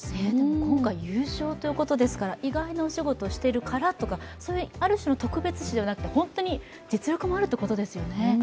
今回優勝ということですから、意外なお仕事をしているからとかではなくて、そういうある種の特別視ではなくて、本当に実力もあるということですよね。